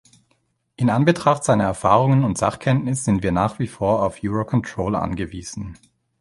In Anbetracht seiner Erfahrungen und Sachkenntnis sind wir nach wie vor auf Eurocontrol angewiesen.